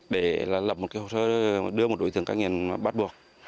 để lập một cái hồ sơ đưa một đối tượng cai nghiện bắt buộc